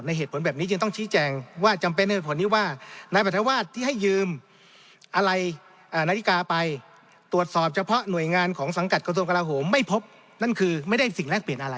ในเหตุผลแบบนี้จึงต้องชี้แจง